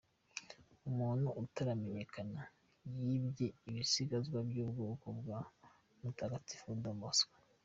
Umuntu utaramenyekana yibye ibisigazwa by’ ubwoko bwa Mutagatifu Don Bosco.